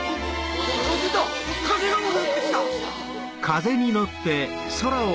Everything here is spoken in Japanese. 風だ風が戻ってきた！